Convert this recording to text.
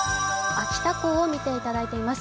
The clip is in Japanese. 秋田港を見ていただいています。